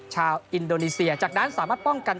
ชาวอินโดนีเซียจากนั้นสามารถป้องกัน